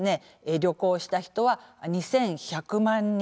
旅行をした人は２，１００万人。